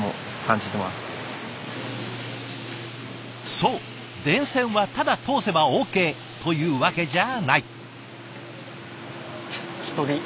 そう電線はただ通せばＯＫというわけじゃない。